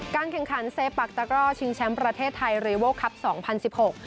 แข่งขันเซปักตะกร่อชิงแชมป์ประเทศไทยเรโวครับสองพันสิบหก